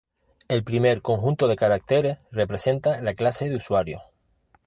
El primer conjunto de caracteres representa la clase de usuario.